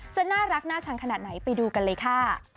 จะน่ารักน่าชังขนาดไหนไปดูกันเลยค่ะ